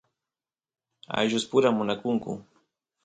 ayllus pura munakunku